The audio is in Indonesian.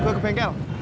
gue ke bengkel